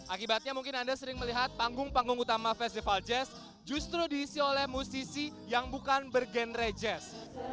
akibatnya mungkin anda sering melihat panggung panggung utama festival jazz justru diisi oleh musisi yang bukan bergenre jazz